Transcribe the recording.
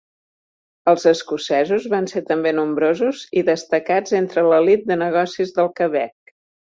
Els escocesos van ser també nombrosos i destacats entre l'elit de negocis del Quebec.